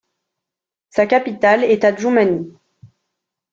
Sa capitale est Adjumani.